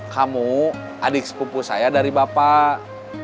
kamu adik sepupu saya dari bapak